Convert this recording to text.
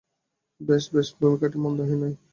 বেশ বেশ, ভূমিকাটি মন্দ হয় নি।